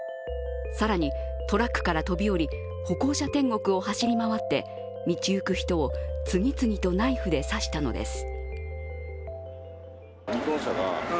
更にトラックから飛び降り、歩行者天国を走り回って道行く人を、次々とナイフで刺したのです。